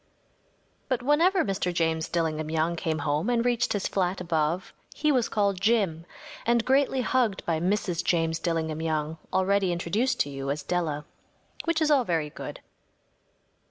But whenever Mr. James Dillingham Young came home and reached his flat above he was called ‚ÄúJim‚ÄĚ and greatly hugged by Mrs. James Dillingham Young, already introduced to you as Della. Which is all very good.